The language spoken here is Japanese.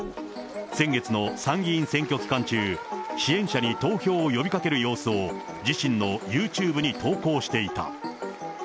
先月の参議院選挙期間中、支援者に投票を呼びかける様子を、自身のユーチューブに投稿していた。